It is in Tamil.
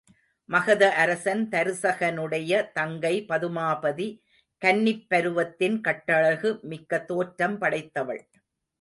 மகத அரசன் தருசகனுடைய தங்கை பதுமாபதி கன்னிப்பருவத்தின் கட்டழகு மிக்க தோற்றம் படைத்தவள்.